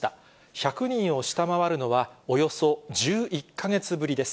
１００人を下回るのはおよそ１１か月ぶりです。